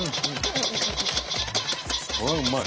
これはうまい！